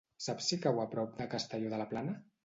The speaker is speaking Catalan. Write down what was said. Saps si cau a prop de Castelló de la Plana?